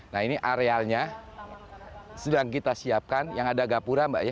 nah ini arealnya sedang kita siapkan yang ada gapura mbak ya